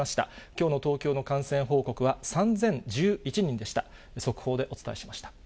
きょうの東京の感染報告は、３０１１人でした。